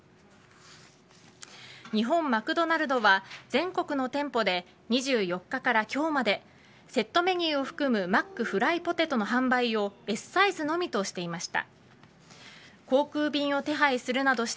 日本マクドナルドは全国の店舗で２４日から今日までセットメニューを含むマックフライポテトの販売をＳサイズのみとしていました。